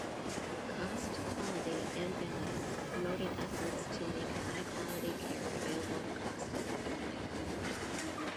Cost, Quality, and Value: Promoting efforts to make high quality care available cost effectively.